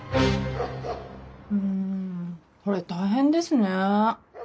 うんそれ大変ですね。